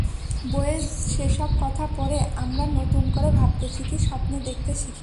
বইয়ের সেসব কথা পড়ে আমরা নতুন করে ভাবতে শিখি, স্বপ্ন দেখতে শিখি।